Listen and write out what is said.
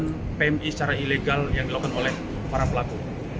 pemeriksaan pmi secara ilegal yang dilakukan oleh para pelaku